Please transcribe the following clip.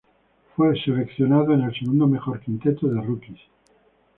Fue seleccionado en el segundo mejor quinteto de rookies.